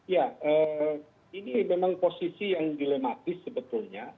ya ini memang posisi yang dilematis sebetulnya